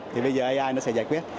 thì bây giờ ai nó sẽ giải quyết